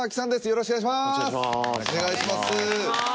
よろしくお願いします